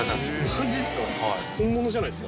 マジっすか。